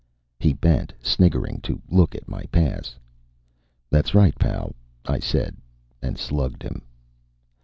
He bent, sniggering, to look at my pass. "That's right, pal," I said, and slugged him.